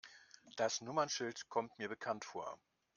Das Nummernschild kommt mir bekannt vor.